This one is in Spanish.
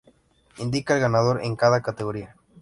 Indica el ganador en cada categoría.